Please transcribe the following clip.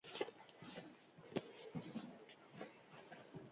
Lehen Mundu Gerran Frantzian borrokatu zen, koronel zelarik.